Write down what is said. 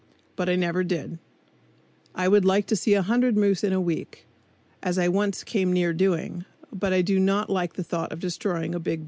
But I never did. I would like to see 100 moose in a week, as I once came near doing, but I do not like the thought of destroying a big bull moose.